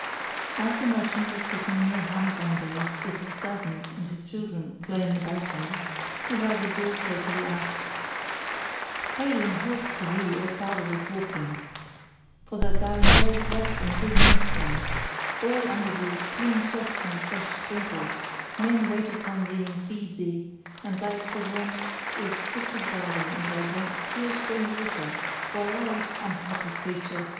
As the merchant was sitting near hand one day with his servants and his children were playing about him, he heard the Bull say to the Ass, "Hail and health to thee O Father of Waking![FN#24] for that thou enjoyest rest and good ministering; all under thee is clean swept and fresh sprinkled; men wait upon thee and feed thee, and thy provaunt is sifted barley and thy drink pure spring water, while I (unhappy creature!)